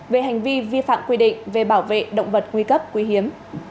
về hành vi vi phạm quy định về bảo vệ động vật nguy cấp quý hiếm